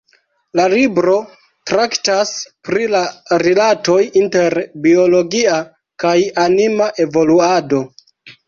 La libro traktas pri la rilatoj inter biologia kaj anima evoluado.